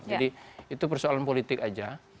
jadi itu persoalan politik saja